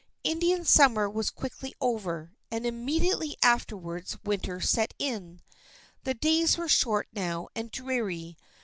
Indian summer was quickly over, and immedi ately afterwards winter set in. The days were short now, and dreary.